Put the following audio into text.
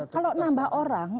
kalau nambah orang